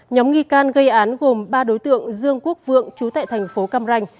nhóm nghi can gây án gồm ba đối tượng dương quốc vượng chú tại thành phố cam ranh